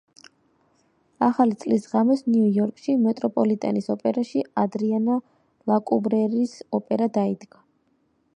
ახალი წლის ღამეს ნიუ-იორკში, მეტროპოლიტენის ოპერაში „ადრიანა ლაკუვრერის“ ოპერა დაიდგა.